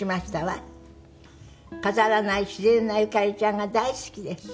「飾らない自然なゆかりちゃんが大好きです」